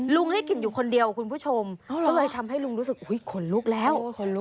ได้กลิ่นอยู่คนเดียวคุณผู้ชมก็เลยทำให้ลุงรู้สึกขนลุกแล้ว